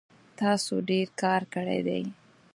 تاسو ډیر کار کړی دی